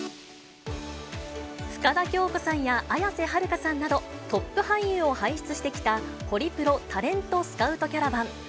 深田恭子さんや綾瀬はるかさんなど、トップ俳優を輩出してきた、ホリプロタレントスカウトキャラバン。